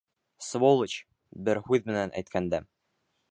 Сволочь, бер һүҙ менән әйткәндә.